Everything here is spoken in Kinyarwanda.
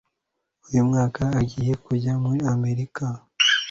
uyu mwaka agiye kujya muri amerika